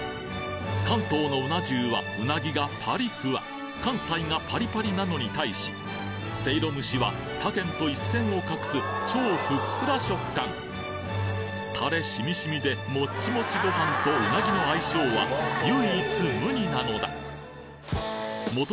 関東のうな重はうなぎがパリふわ関西がパリパリなのに対しせいろ蒸しは他県と一線を画す超ふっくら食感タレしみしみでもっちもちご飯とうなぎの相性は唯一無二なのだ本